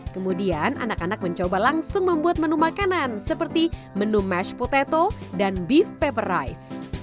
kemudian anak anak mencoba langsung membuat menu makanan seperti menu mashed potato dan beef pepper rice